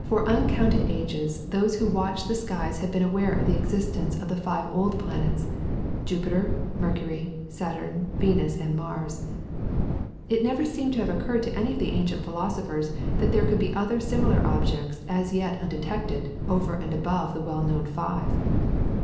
For uncounted ages those who watched the skies had been aware of the existence of the five old planets Jupiter, Mercury, Saturn, Venus, and Mars. It never seems to have occurred to any of the ancient philosophers that there could be other similar objects as yet undetected over and above the well known five.